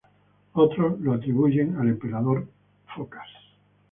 Otros lo atribuyen al emperador Focas.